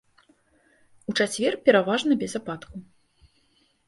У чацвер пераважна без ападкаў.